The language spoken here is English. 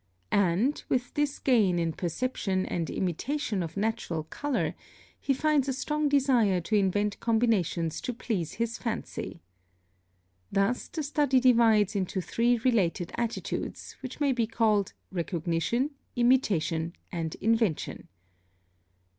And, with this gain in perception and imitation of natural color, he finds a strong desire to invent combinations to please his fancy. Thus the study divides into three related attitudes, which may be called recognition, imitation, and invention.